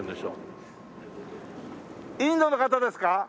インドの方ですか？